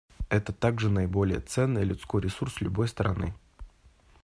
Это также наиболее ценный людской ресурс любой страны.